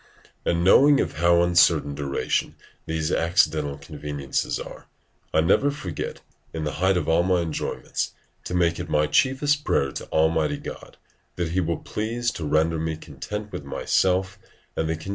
And knowing of how uncertain duration these accidental conveniences are, I never forget, in the height of all my enjoyments, to make it my chiefest prayer to Almighty God, that He will please to render me content with myself and the condition wherein I am.